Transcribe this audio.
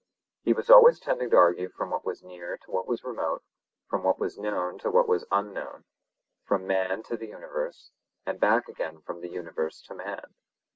He was always tending to argue from what was near to what was remote, from what was known to what was unknown, from man to the universe, and back again from the universe to man.